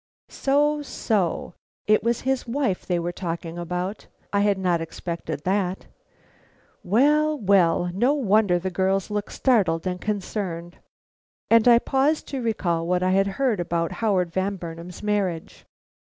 So, so, it was his wife they were talking about. I had not expected that. Well! well! no wonder the girls looked startled and concerned. And I paused to recall what I had heard about Howard Van Burnam's marriage.